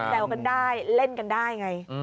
แซวกันได้เล่นกันได้ไง